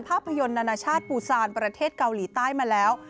ภาพยนตร์นานาชาติปูซานประเทศเกาหลีใต้มาแล้ว